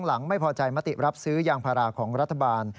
หลังไม่พอใจมติรับซื้อยางพาราของรัฐบาล